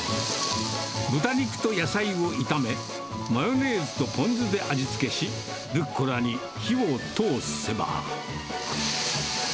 豚肉と野菜を炒め、マヨネーズとぽん酢で味付けし、ルッコラに火を通せば。